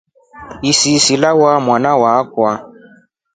Isisi lamuwaa mwana akwa.